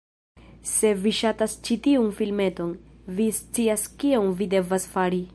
Se vi ŝatas ĉi tiun filmeton, vi scias kion vi devas fari: